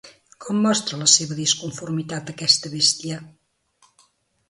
Com mostra la seva disconformitat aquesta bèstia?